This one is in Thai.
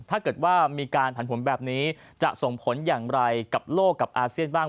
ถ้าเกิดว่ามีการผันผวนแบบนี้จะส่งผลอย่างไรกับโลกกับอาเซียนบ้าง